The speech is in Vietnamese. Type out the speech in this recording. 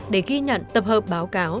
để ghi nhận tập hợp báo cáo